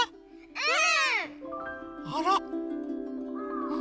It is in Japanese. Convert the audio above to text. うん。